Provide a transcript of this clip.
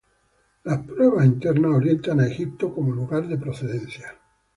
Las pruebas internas orientan a Egipto como lugar de procedencia.